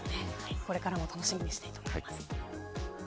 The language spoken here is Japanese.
これからも楽しみにしたいと思います。